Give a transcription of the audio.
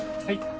はい。